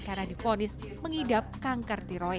karena difonis mengidap kanker tiroid